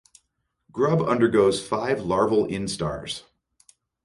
Grub undergoes five larval instars.